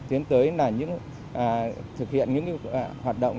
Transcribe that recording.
tiến tới thực hiện những hoạt động